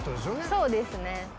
そうですね。